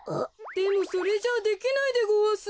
でもそれじゃあできないでごわす。